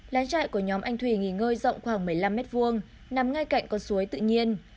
lái chạy của nhóm anh thủy nghỉ ngơi rộng khoảng một mươi năm m hai nằm ngay cạnh con suối tự nhiên